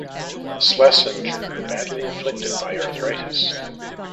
Schlesinger badly afflicted by arthritis.